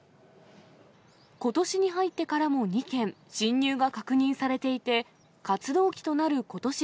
ことしに入ってからも２件、侵入が確認されていて、活動期となることし